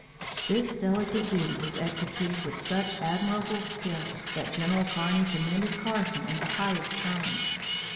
This delicate duty was executed with such admirable skill that General Kearney commended Carson in the highest terms.